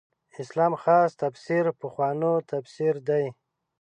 اسلام خاص تفسیر پخوانو تفسیر دی.